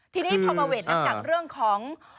ที่นี่พอมาเวทนั่งเรื่องของ